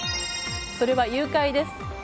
それは誘拐です。